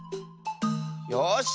よし。